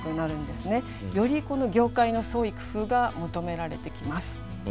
よりこの業界の創意工夫が求められてきます。